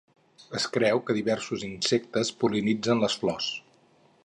Es creu que diversos insectes pol·linitzen les flors.